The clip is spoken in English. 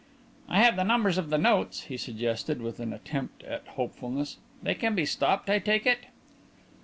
"I have the numbers of the notes," he suggested, with an attempt at hopefulness. "They can be stopped, I take it?"